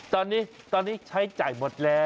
ตอนนี้ใช้จ่ายหมดแล้ว